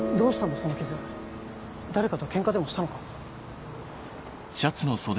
その傷誰かとケンカでもしたのか？